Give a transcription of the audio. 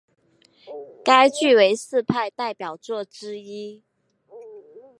该剧为戚派代表作之一。